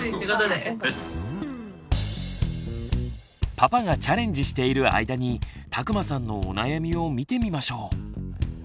パパがチャレンジしている間に田熊さんのお悩みを見てみましょう。